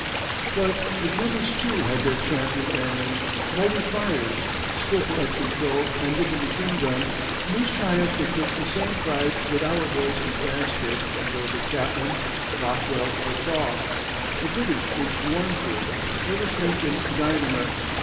But the Germans, too, had their champion airmen, mighty fliers, skillful at control and with the machine gun, in whose triumphs they took the same pride that our boys in France did in those of Chapman, Rockwell or Thaw, the British in Warneford, or the French in Guynemer.